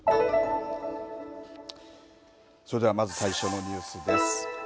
それではまず最初のニュースです。